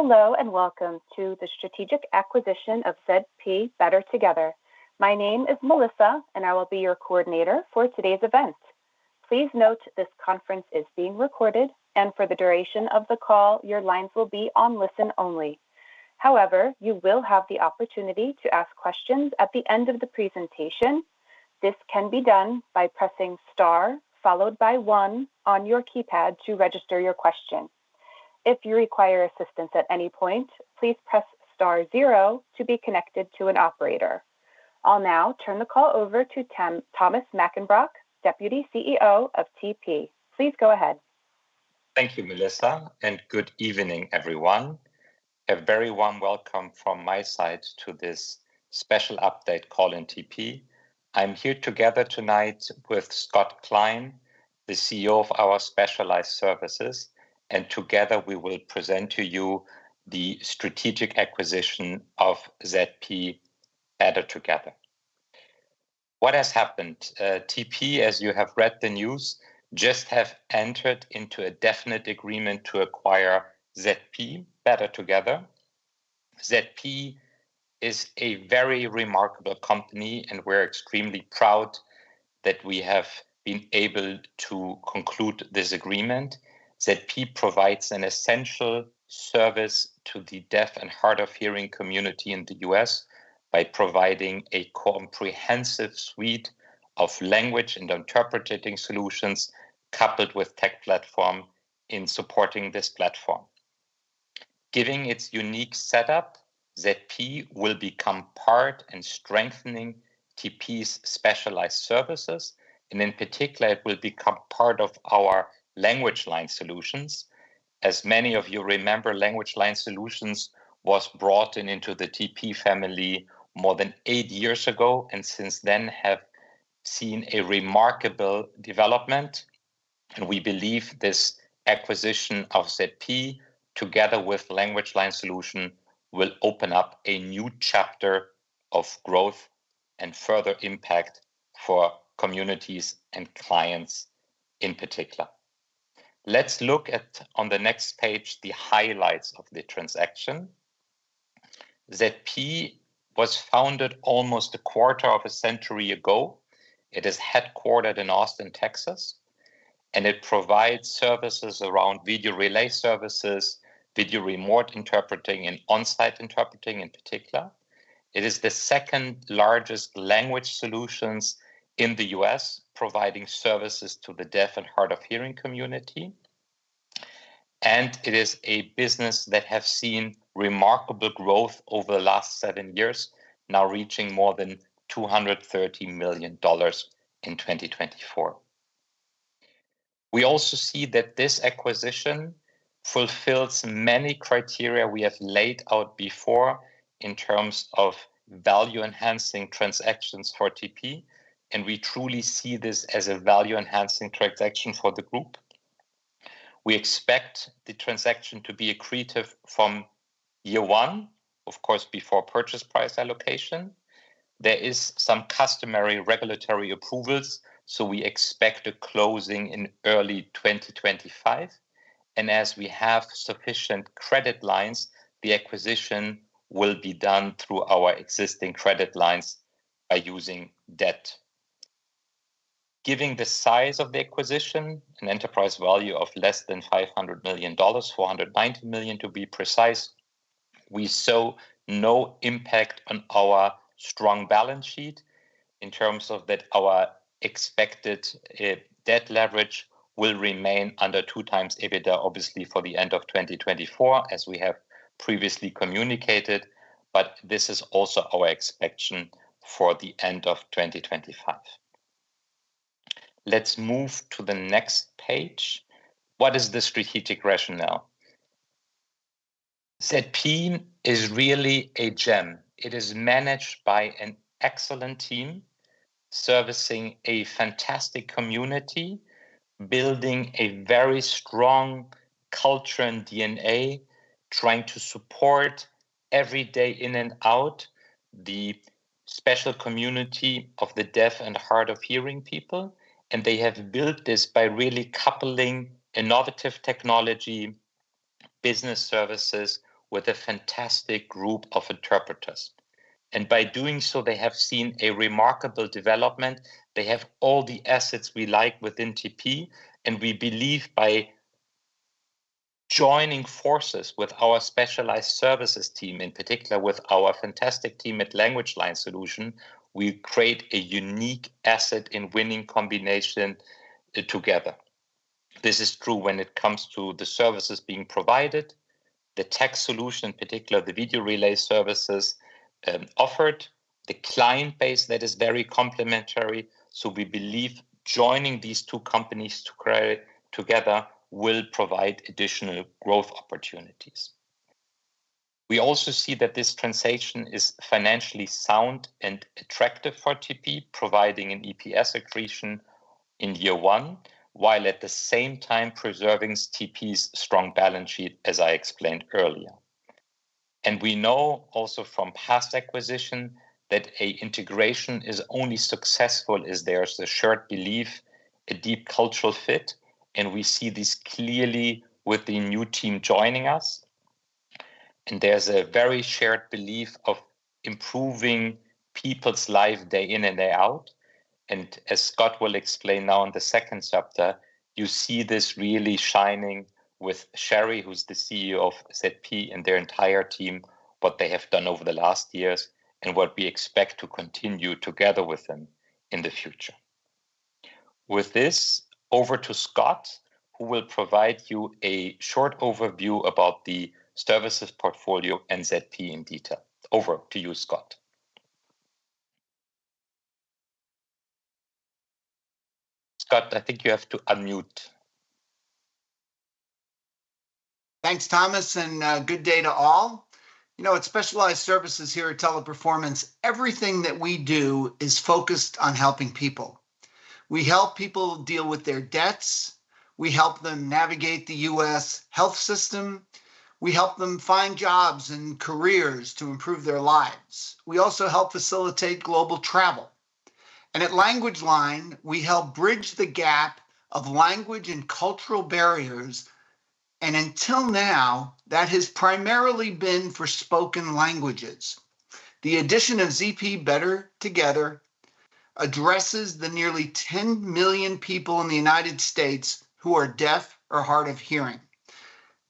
Hello and welcome to the strategic acquisition of ZP Better Together. My name is Melissa, and I will be your coordinator for today's event. Please note this conference is being recorded, and for the duration of the call, your lines will be on listen only. However, you will have the opportunity to ask questions at the end of the presentation. This can be done by pressing star followed by one on your keypad to register your question. If you require assistance at any point, please press star zero to be connected to an operator. I'll now turn the call over to Thomas Mackenbrock, Deputy CEO of TP. Please go ahead. Thank you, Melissa, and good evening, everyone. A very warm welcome from my side to this special update call in TP. I'm here together tonight with Scott Klein, the CEO of our specialized services, and together we will present to you the strategic acquisition of ZP Better Together. What has happened? TP, as you have read the news, just has entered into a definite agreement to acquire ZP Better Together. ZP is a very remarkable company, and we're extremely proud that we have been able to conclude this agreement. ZP provides an essential service to the deaf and hard of hearing community in the U.S. by providing a comprehensive suite of language and interpreting solutions coupled with tech platform in supporting this platform. Given its unique setup, ZP will become part and strengthening TP's specialized services, and in particular, it will become part of our LanguageLine Solutions. As many of you remember, LanguageLine Solutions was brought into the TP family more than eight years ago, and since then have seen a remarkable development, and we believe this acquisition of ZP, together with LanguageLine Solutions, will open up a new chapter of growth and further impact for communities and clients in particular. Let's look at, on the next page, the highlights of the transaction. ZP was founded almost a quarter of a century ago. It is headquartered in Austin, Texas, and it provides services around video relay services, video remote interpreting, and onsite interpreting in particular. It is the second largest language solutions in the U.S. providing services to the deaf and hard of hearing community, and it is a business that has seen remarkable growth over the last seven years, now reaching more than $230 million in 2024. We also see that this acquisition fulfills many criteria we have laid out before in terms of value-enhancing transactions for TP, and we truly see this as a value-enhancing transaction for the group. We expect the transaction to be accretive from year one, of course, before purchase price allocation. There are some customary regulatory approvals, so we expect a closing in early 2025, and as we have sufficient credit lines, the acquisition will be done through our existing credit lines by using debt. Given the size of the acquisition, an enterprise value of less than $500 million, $490 million to be precise, we saw no impact on our strong balance sheet in terms of that our expected debt leverage will remain under two times EBITDA, obviously for the end of 2024, as we have previously communicated, but this is also our expectation for the end of 2025. Let's move to the next page. What is the strategic rationale? ZP is really a gem. It is managed by an excellent team servicing a fantastic community, building a very strong culture and DNA, trying to support every day in and out the special community of the deaf and hard of hearing people, and they have built this by really coupling innovative technology business services with a fantastic group of interpreters, and by doing so, they have seen a remarkable development. They have all the assets we like within TP, and we believe by joining forces with our specialized services team, in particular with our fantastic team at LanguageLine Solutions, we create a unique asset in winning combination together. This is true when it comes to the services being provided, the tech solution in particular, the video relay services offered, the client base that is very complementary. We believe joining these two companies together will provide additional growth opportunities. We also see that this transaction is financially sound and attractive for TP, providing an EPS accretion in year one, while at the same time preserving TP's strong balance sheet, as I explained earlier. We know also from past acquisition that an integration is only successful if there's a shared belief, a deep cultural fit, and we see this clearly with the new team joining us. There's a very shared belief of improving people's lives day in and day out. As Scott will explain now in the second chapter, you see this really shining with Sherri, who's the CEO of ZP and their entire team, what they have done over the last years and what we expect to continue together with them in the future. With this, over to Scott, who will provide you a short overview about the services portfolio and ZP in detail. Over to you, Scott. Scott, I think you have to unmute. Thanks, Thomas, and good day to all. You know, at Specialized Services here at Teleperformance, everything that we do is focused on helping people. We help people deal with their debts. We help them navigate the U.S. health system. We help them find jobs and careers to improve their lives. We also help facilitate global travel. And at LanguageLine, we help bridge the gap of language and cultural barriers. And until now, that has primarily been for spoken languages. The addition of ZP Better Together addresses the nearly 10 million people in the United States who are deaf or hard of hearing.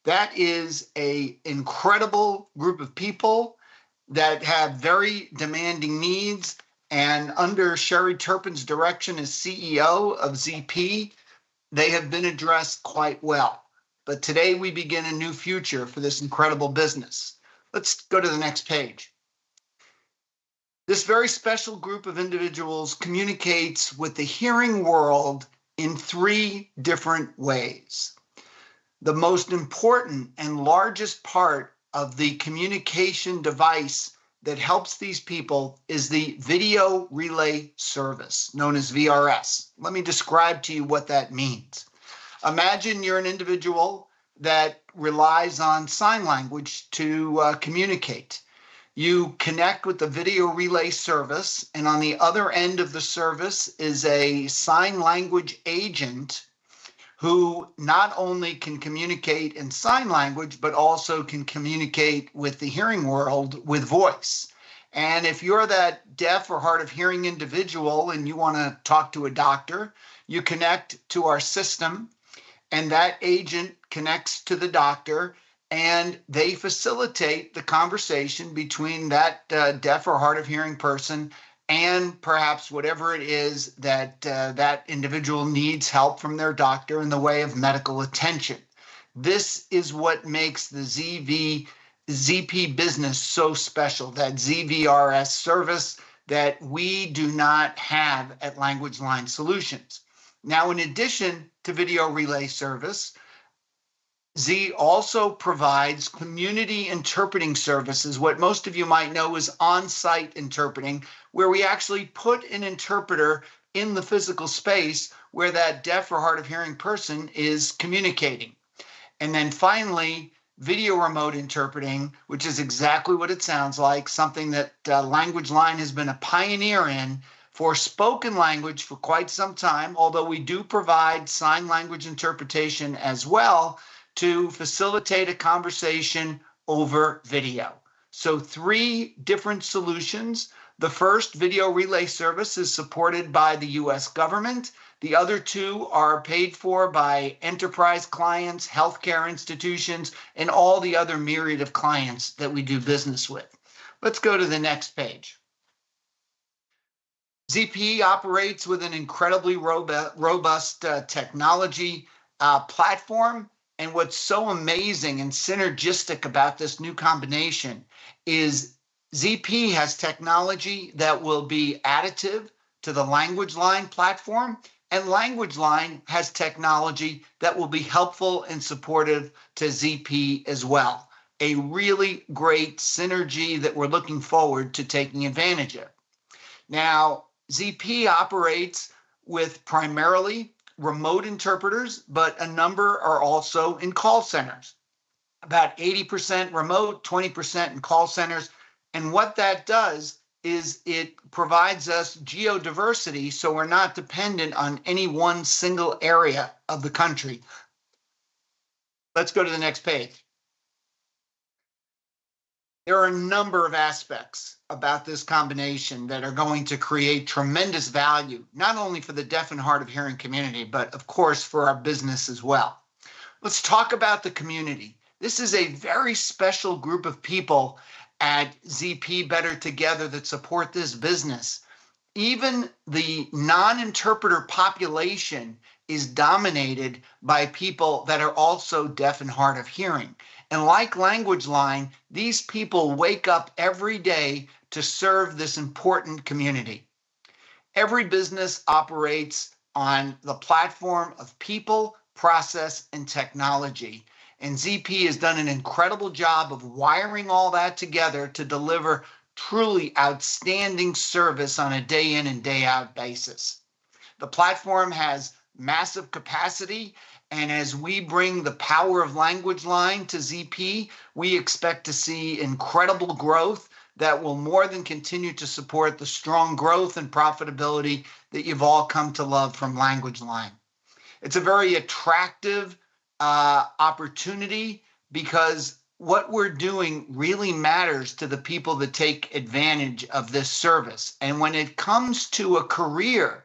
That is an incredible group of people that have very demanding needs. And under Sherri Turpin's direction as CEO of ZP, they have been addressed quite well. But today, we begin a new future for this incredible business. Let's go to the next page. This very special group of individuals communicates with the hearing world in three different ways. The most important and largest part of the communication device that helps these people is the video relay service known as VRS. Let me describe to you what that means. Imagine you're an individual that relies on sign language to communicate. You connect with the video relay service, and on the other end of the service is a sign language agent who not only can communicate in sign language, but also can communicate with the hearing world with voice. If you're that deaf or hard of hearing individual and you want to talk to a doctor, you connect to our system, and that agent connects to the doctor, and they facilitate the conversation between that deaf or hard of hearing person and perhaps whatever it is that individual needs help from their doctor in the way of medical attention. This is what makes the ZP business so special, that ZVRS service that we do not have at LanguageLine Solutions. Now, in addition to video relay service, Z also provides community interpreting services. What most of you might know is onsite interpreting, where we actually put an interpreter in the physical space where that deaf or hard of hearing person is communicating. And then finally, video remote interpreting, which is exactly what it sounds like, something that LanguageLine has been a pioneer in for spoken language for quite some time, although we do provide sign language interpretation as well to facilitate a conversation over video. So three different solutions. The first, video relay service, is supported by the U.S. government. The other two are paid for by enterprise clients, healthcare institutions, and all the other myriad of clients that we do business with. Let's go to the next page. ZP operates with an incredibly robust technology platform. And what's so amazing and synergistic about this new combination is ZP has technology that will be additive to the LanguageLine platform, and LanguageLine has technology that will be helpful and supportive to ZP as well. A really great synergy that we're looking forward to taking advantage of. Now, ZP operates with primarily remote interpreters, but a number are also in call centers. About 80% remote, 20% in call centers, and what that does is it provides us geodiversity, so we're not dependent on any one single area of the country. Let's go to the next page. There are a number of aspects about this combination that are going to create tremendous value, not only for the deaf and hard of hearing community, but of course for our business as well. Let's talk about the community. This is a very special group of people at ZP Better Together that support this business. Even the non-interpreter population is dominated by people that are also deaf and hard of hearing, and like LanguageLine, these people wake up every day to serve this important community. Every business operates on the platform of people, process, and technology. ZP has done an incredible job of wiring all that together to deliver truly outstanding service on a day in and day out basis. The platform has massive capacity, and as we bring the power of LanguageLine to ZP, we expect to see incredible growth that will more than continue to support the strong growth and profitability that you've all come to love from LanguageLine. It's a very attractive opportunity because what we're doing really matters to the people that take advantage of this service. When it comes to a career,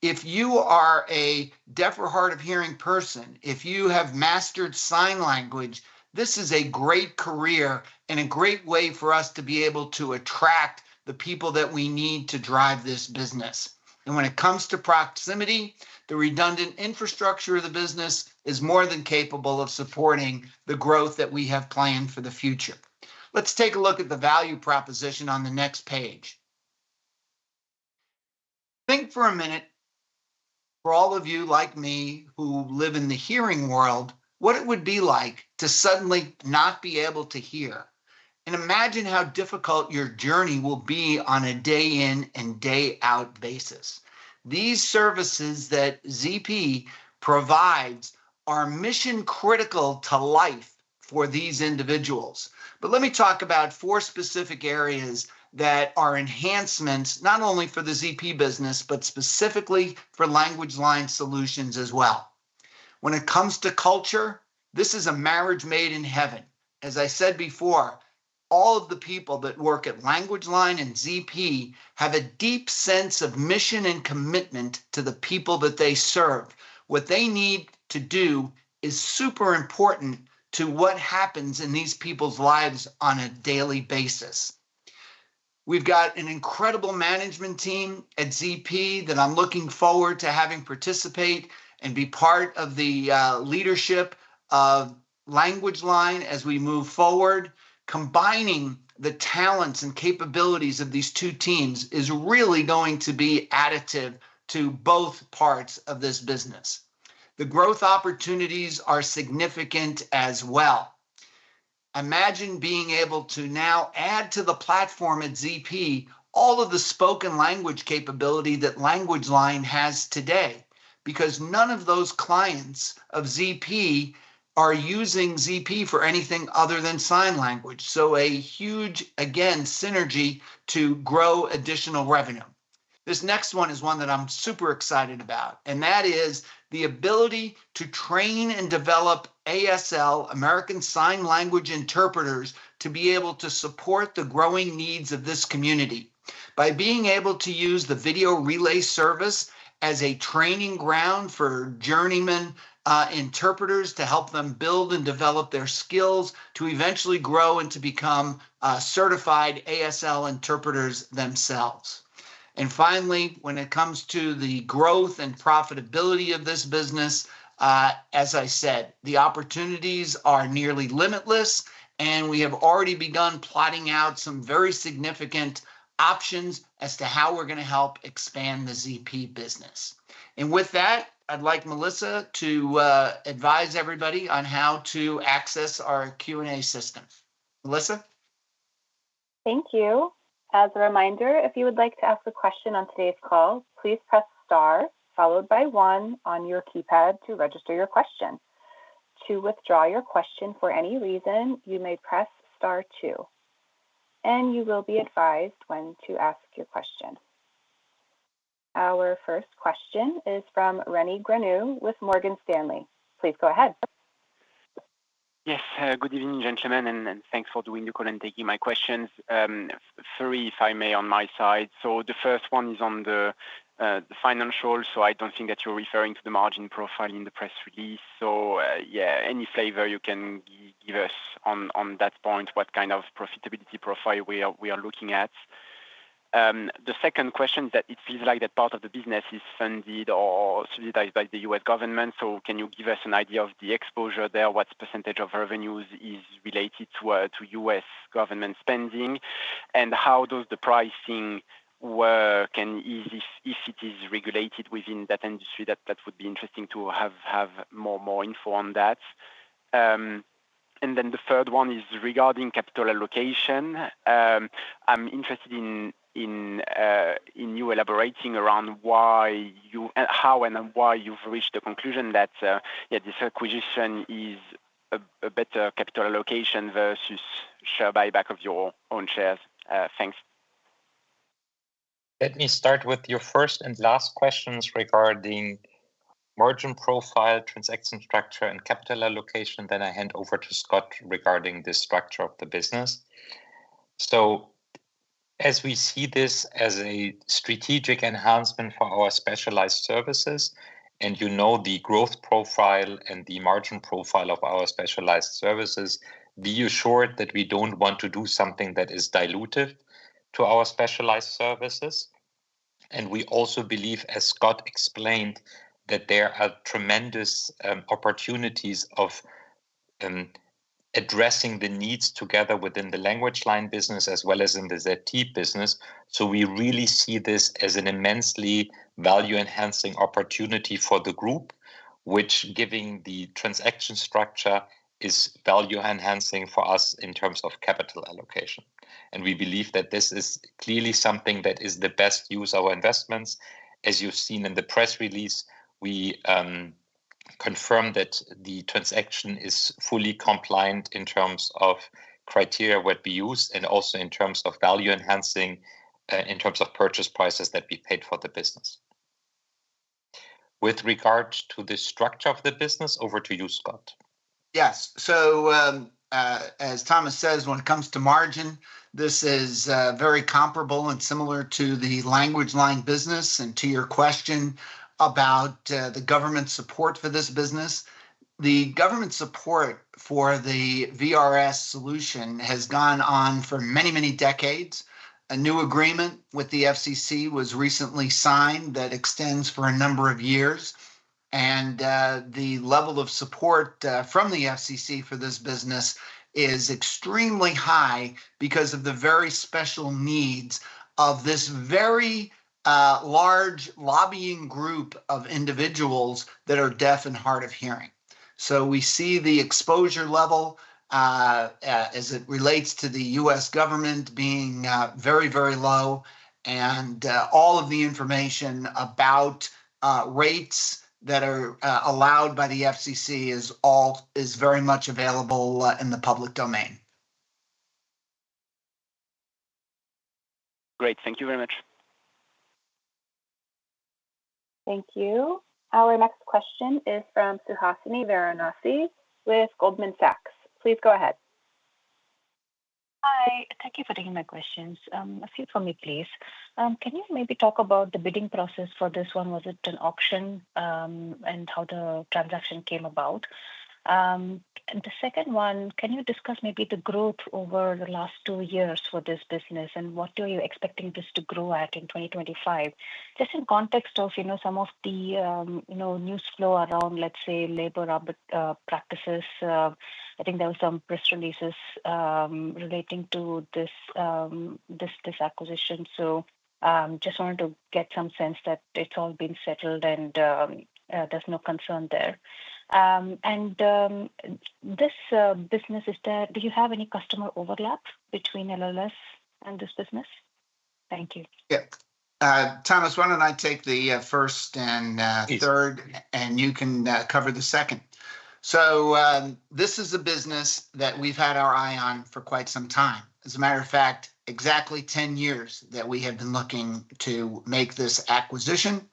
if you are a deaf or hard of hearing person, if you have mastered sign language, this is a great career and a great way for us to be able to attract the people that we need to drive this business. And when it comes to proximity, the redundant infrastructure of the business is more than capable of supporting the growth that we have planned for the future. Let's take a look at the value proposition on the next page. Think for a minute, for all of you like me who live in the hearing world, what it would be like to suddenly not be able to hear. And imagine how difficult your journey will be on a day in and day out basis. These services that ZP provides are mission-critical to life for these individuals. But let me talk about four specific areas that are enhancements not only for the ZP business, but specifically for LanguageLine Solutions as well. When it comes to culture, this is a marriage made in heaven. As I said before, all of the people that work at LanguageLine and ZP have a deep sense of mission and commitment to the people that they serve. What they need to do is super important to what happens in these people's lives on a daily basis. We've got an incredible management team at ZP that I'm looking forward to having participate and be part of the leadership of LanguageLine as we move forward. Combining the talents and capabilities of these two teams is really going to be additive to both parts of this business. The growth opportunities are significant as well. Imagine being able to now add to the platform at ZP all of the spoken language capability that LanguageLine has today because none of those clients of ZP are using ZP for anything other than sign language. So a huge, again, synergy to grow additional revenue. This next one is one that I'm super excited about, and that is the ability to train and develop ASL, American Sign Language interpreters, to be able to support the growing needs of this community by being able to use the video relay service as a training ground for journeyman interpreters to help them build and develop their skills to eventually grow and to become certified ASL interpreters themselves. And finally, when it comes to the growth and profitability of this business, as I said, the opportunities are nearly limitless, and we have already begun plotting out some very significant options as to how we're going to help expand the ZP business. And with that, I'd like Melissa to advise everybody on how to access our Q&A system. Melissa? Thank you. As a reminder, if you would like to ask a question on today's call, please press star followed by one on your keypad to register your question. To withdraw your question for any reason, you may press star two, and you will be advised when to ask your question. Our first question is from Rémy Grenou with Morgan Stanley. Please go ahead. Yes. Good evening, gentlemen, and thanks for doing the call and taking my questions. Three, if I may, on my side. So the first one is on the financial. So I don't think that you're referring to the margin profile in the press release. So yeah, any flavor you can give us on that point, what kind of profitability profile we are looking at. The second question is that it feels like that part of the business is funded or subsidized by the U.S. government. So can you give us an idea of the exposure there? What percentage of revenues is related to U.S. government spending? And how does the pricing work? And if it is regulated within that industry, that would be interesting to have more info on that. And then the third one is regarding capital allocation. I'm interested in you elaborating around how and why you've reached the conclusion that this acquisition is a better capital allocation versus share buyback of your own shares. Thanks. Let me start with your first and last questions regarding margin profile, transaction structure, and capital allocation. Then I hand over to Scott regarding the structure of the business, so as we see this as a strategic enhancement for our specialized services, and you know the growth profile and the margin profile of our specialized services, be assured that we don't want to do something that is dilutive to our specialized services, and we also believe, as Scott explained, that there are tremendous opportunities of addressing the needs together within the LanguageLine business as well as in the ZP business, so we really see this as an immensely value-enhancing opportunity for the group, which, given the transaction structure, is value-enhancing for us in terms of capital allocation, and we believe that this is clearly something that is the best use of our investments. As you've seen in the press release, we confirm that the transaction is fully compliant in terms of criteria that we use and also in terms of value-enhancing in terms of purchase prices that we paid for the business. With regard to the structure of the business, over to you, Scott. Yes. So as Thomas says, when it comes to margin, this is very comparable and similar to the LanguageLine business. And to your question about the government support for this business, the government support for the VRS solution has gone on for many, many decades. A new agreement with the FCC was recently signed that extends for a number of years. And the level of support from the FCC for this business is extremely high because of the very special needs of this very large lobbying group of individuals that are deaf and hard of hearing. So we see the exposure level as it relates to the U.S. government being very, very low. And all of the information about rates that are allowed by the FCC is very much available in the public domain. Great. Thank you very much. Thank you. Our next question is from Suhasini Varanasi with Goldman Sachs. Please go ahead. Hi. Thank you for taking my questions. A few for me, please. Can you maybe talk about the bidding process for this one? Was it an auction and how the transaction came about? And the second one, can you discuss maybe the growth over the last two years for this business and what are you expecting this to grow at in 2025? Just in context of some of the news flow around, let's say, labor practices. I think there were some press releases relating to this acquisition. So just wanted to get some sense that it's all been settled and there's no concern there. And this business, do you have any customer overlap between LLS and this business? Thank you. Yeah. Thomas, why don't I take the first and third, and you can cover the second. So this is a business that we've had our eye on for quite some time. As a matter of fact, exactly 10 years that we have been looking to make this acquisition.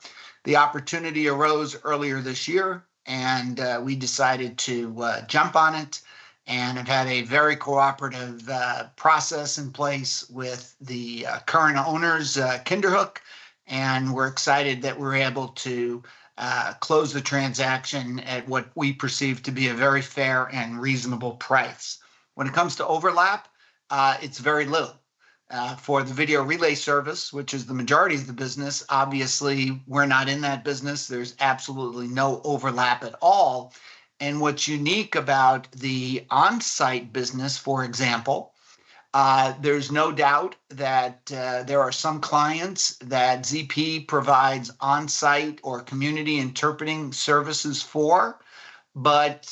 The opportunity arose earlier this year, and we decided to jump on it and have had a very cooperative process in place with the current owners, Kinderhook. And we're excited that we're able to close the transaction at what we perceive to be a very fair and reasonable price. When it comes to overlap, it's very little. For the video relay service, which is the majority of the business, obviously, we're not in that business. There's absolutely no overlap at all. And what's unique about the on-site business, for example. There's no doubt that there are some clients that ZP provides on-site or community interpreting services for, but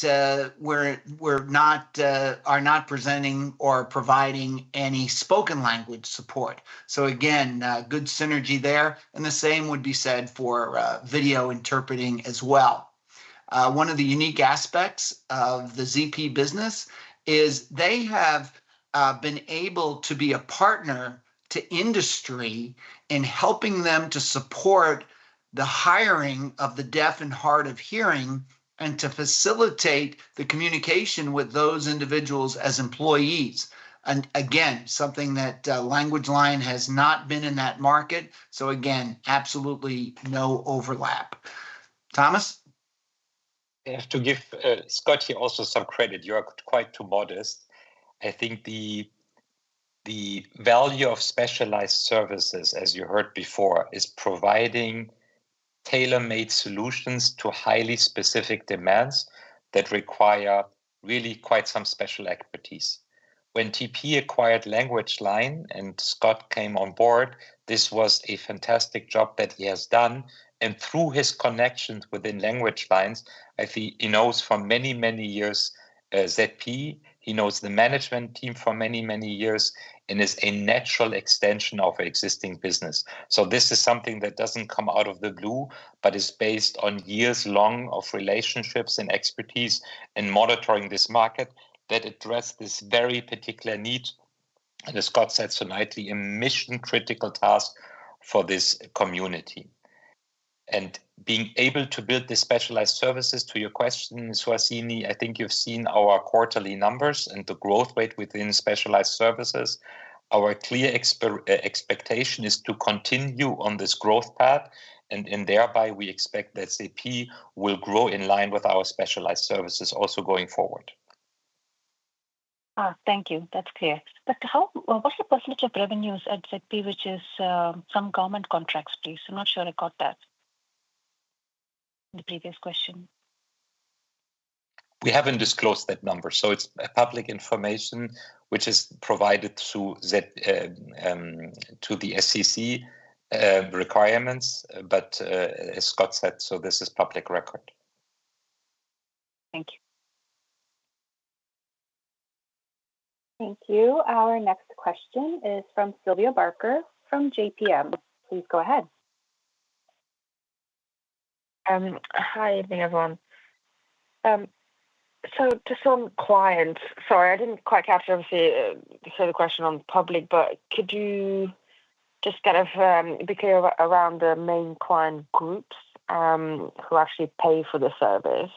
we're not presenting or providing any spoken language support. So again, good synergy there. And the same would be said for video interpreting as well. One of the unique aspects of the ZP business is they have been able to be a partner to industry in helping them to support the hiring of the deaf and hard of hearing and to facilitate the communication with those individuals as employees. And again, something that LanguageLine has not been in that market. So again, absolutely no overlap. Thomas? I have to give Scott here also some credit. You're quite modest. I think the value of specialized services, as you heard before, is providing tailor-made solutions to highly specific demands that require really quite some special expertise. When TP acquired LanguageLine and Scott came on board, this was a fantastic job that he has done. And through his connections within LanguageLines, I think he knows for many, many years ZP. He knows the management team for many, many years and is a natural extension of existing business. So this is something that doesn't come out of the blue, but is based on years-long relationships and expertise and monitoring this market that addresses this very particular need. And as Scott said so nicely, a mission-critical task for this community. And being able to build the specialized services, to your question, Suhasini, I think you've seen our quarterly numbers and the growth rate within specialized services. Our clear expectation is to continue on this growth path, and thereby, we expect that ZP will grow in line with our specialized services also going forward. Thank you. That's clear. But what's the percentage of revenues at ZP, which is some government contracts, please? I'm not sure I got that in the previous question. We haven't disclosed that number. So it's public information, which is provided to the SEC requirements. But as Scott said, so this is public record. Thank you. Thank you. Our next question is from Sylvia Barker from JPM. Please go ahead. Hi. Good evening, everyone. So to some clients, sorry, I didn't quite capture the question on public, but could you just kind of be clear around the main client groups who actually pay for the service?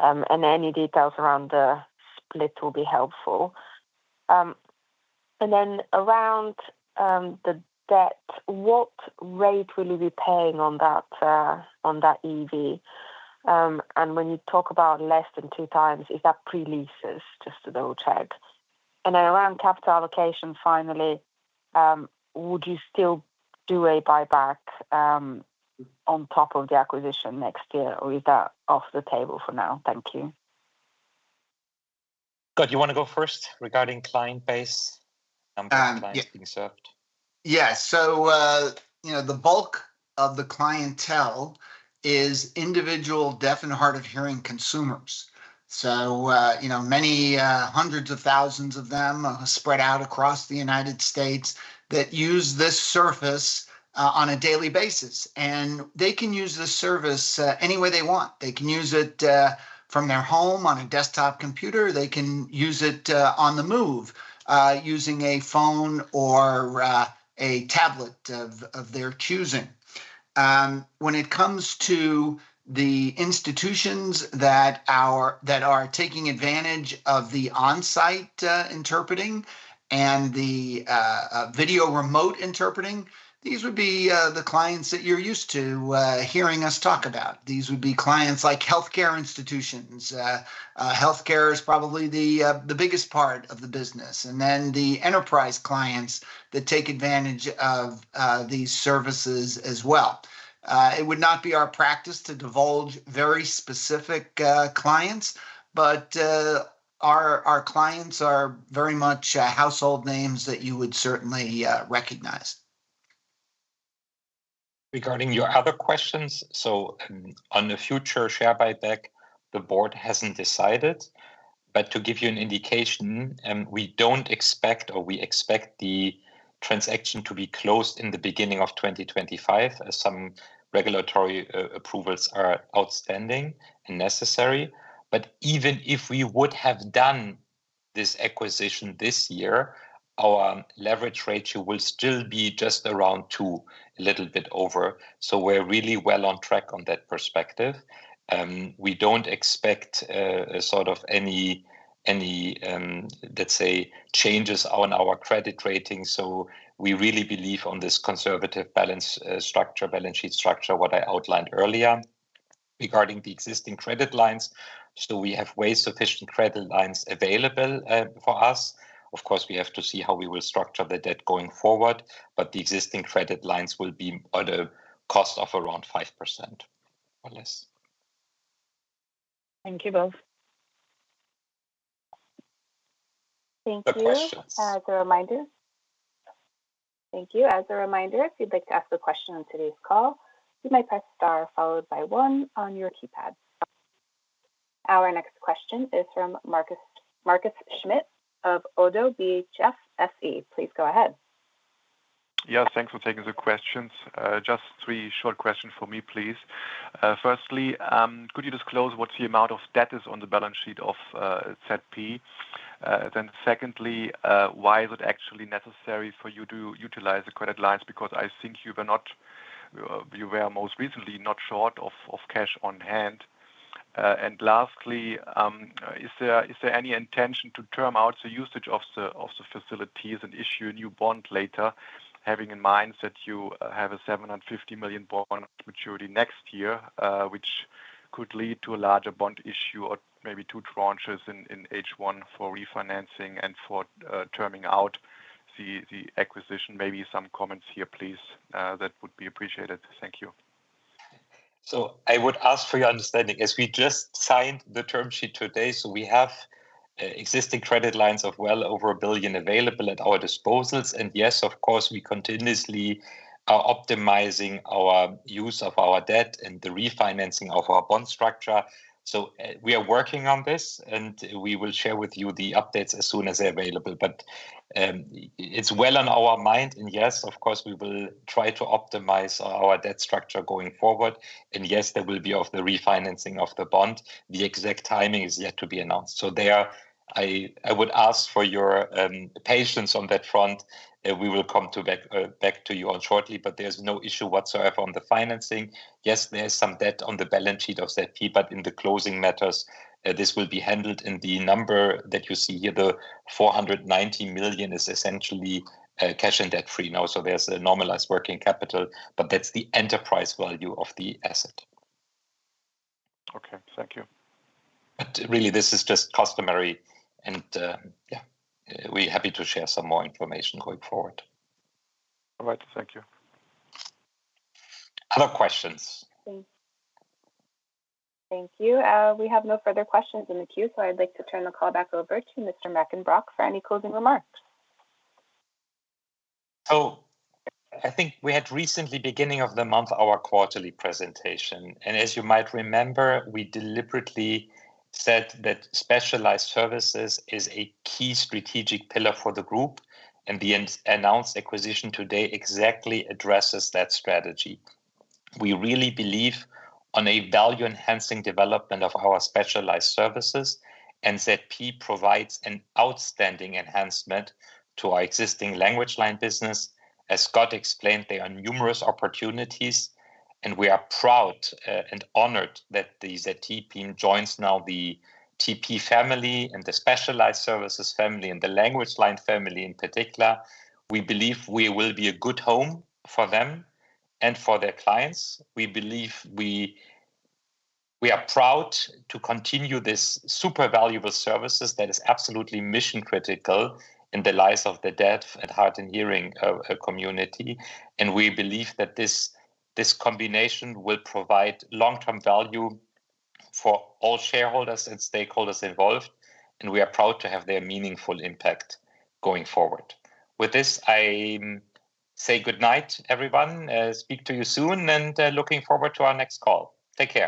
And any details around the split will be helpful. And then around the debt, what rate will you be paying on that EV? And when you talk about less than two times, is that pre-leases? Just a double check. And then around capital allocation, finally, would you still do a buyback on top of the acquisition next year, or is that off the table for now? Thank you. Scott, you want to go first regarding client base and clients being served? Yeah. So the bulk of the clientele is individual deaf and hard of hearing consumers. So many hundreds of thousands of them are spread out across the United States that use this service on a daily basis. And they can use this service any way they want. They can use it from their home on a desktop computer. They can use it on the move using a phone or a tablet of their choosing. When it comes to the institutions that are taking advantage of the on-site interpreting and the video remote interpreting, these would be the clients that you're used to hearing us talk about. These would be clients like healthcare institutions. Healthcare is probably the biggest part of the business. And then the enterprise clients that take advantage of these services as well. It would not be our practice to divulge very specific clients, but our clients are very much household names that you would certainly recognize. Regarding your other questions, so on the future share buyback, the board hasn't decided. But to give you an indication, we don't expect, or we expect the transaction to be closed in the beginning of 2025 as some regulatory approvals are outstanding and necessary. But even if we would have done this acquisition this year, our leverage ratio will still be just around two, a little bit over. So we're really well on track on that perspective. We don't expect sort of any, let's say, changes on our credit rating. So we really believe on this conservative balance structure, balance sheet structure, what I outlined earlier regarding the existing credit lines. So we have way sufficient credit lines available for us. Of course, we have to see how we will structure the debt going forward, but the existing credit lines will be at a cost of around 5% or less. Thank you both. Thank you. Good questions. As a reminder. Thank you. As a reminder, if you'd like to ask a question on today's call, you may press star followed by one on your keypad. Our next question is from Marcus Schmidt of Oddo BHF. Please go ahead. Yes. Thanks for taking the questions. Just three short questions for me, please. Firstly, could you disclose what's the amount of debt is on the balance sheet of ZP? Then secondly, why is it actually necessary for you to utilize the credit lines? Because I think you were most recently not short of cash on hand. And lastly, is there any intention to term out the usage of the facilities and issue a new bond later, having in mind that you have a $750 million bond maturity next year, which could lead to a larger bond issue or maybe two tranches in H1 for refinancing and for terming out the acquisition? Maybe some comments here, please. That would be appreciated. Thank you. So I would ask for your understanding. As we just signed the term sheet today, so we have existing credit lines of well over $1 billion available at our disposal. And yes, of course, we continuously are optimizing our use of our debt and the refinancing of our bond structure. So we are working on this, and we will share with you the updates as soon as they're available. But it's well on our mind. And yes, of course, we will try to optimize our debt structure going forward. And yes, there will be the refinancing of the bond. The exact timing is yet to be announced. So there, I would ask for your patience on that front. We will come back to you shortly, but there's no issue whatsoever on the financing. Yes, there's some debt on the balance sheet of ZP, but in the closing matters, this will be handled in the number that you see here. The $490 million is essentially cash and debt-free now. So there's a normalized working capital, but that's the enterprise value of the asset. Okay. Thank you. But really, this is just customary. And yeah, we're happy to share some more information going forward. All right. Thank you. Other questions? Thank you. We have no further questions in the queue, so I'd like to turn the call back over to Mr. Mackenbrock for any closing remarks. I think we had recently, beginning of the month, our quarterly presentation. As you might remember, we deliberately said that specialized services is a key strategic pillar for the group, and the announced acquisition today exactly addresses that strategy. We really believe in a value-enhancing development of our specialized services, and ZP provides an outstanding enhancement to our existing LanguageLine business. As Scott explained, there are numerous opportunities, and we are proud and honored that the ZP team joins now the TP family and the specialized services family and the LanguageLine family in particular. We believe we will be a good home for them and for their clients. We believe we are proud to continue this super valuable service that is absolutely mission-critical in the lives of the deaf and hard of hearing community. And we believe that this combination will provide long-term value for all shareholders and stakeholders involved, and we are proud to have their meaningful impact going forward. With this, I say good night, everyone. Speak to you soon, and looking forward to our next call. Take care.